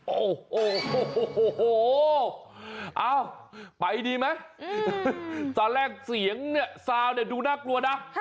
โอ้โหไปดีมั้ยตอนแรกเสียงดูน่ากลัวนะ